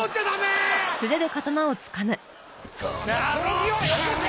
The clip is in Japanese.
剣をよこせ！